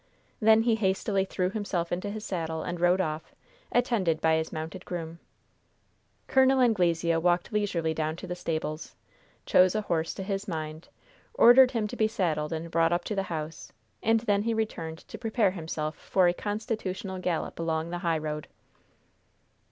Then he hastily threw himself into his saddle, and rode off, attended by his mounted groom. Col. Anglesea walked leisurely down to the stables, chose a horse to his mind, ordered him to be saddled and brought up to the house, and then he returned to prepare himself for a "constitutional" gallop along the highroad.